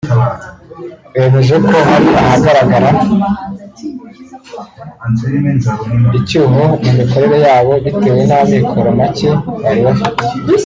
bemeje ko hari ahagaraga icyuho mu mikorere yabo bitewe n’amikoro make bari bafite